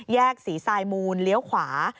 แยกสีไซมูลเลี้ยวขวา